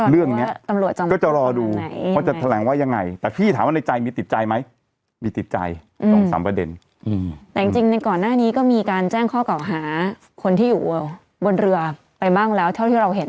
เรื่องนี้ก็จะรอดูพอจะแถลงว่ายังไงแต่พี่ถามว่าในใจมีติดใจไหมมีติดใจสองสามประเด็น